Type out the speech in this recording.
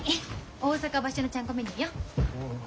大阪場所のちゃんこメニューよ。